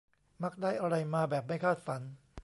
มักได้อะไรมาแบบไม่คาดฝัน